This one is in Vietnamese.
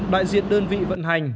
đại diện đơn vị vận hành